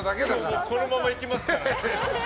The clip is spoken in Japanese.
今日、このままいきますから。